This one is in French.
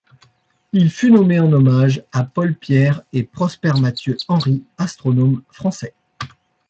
Il fut nommé en hommage à Paul-Pierre et Prosper-Mathieu Henry, astronomes français.